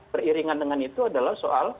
beriringan dengan itu adalah soal